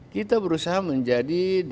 kita berusaha menjadi